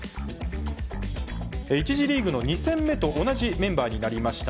１次リーグの２戦目と同じメンバーになりました。